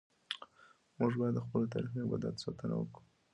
موږ باید د خپلو تاریخي ابداتو ساتنه وکړو.